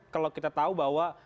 kalau kita tahu bahwa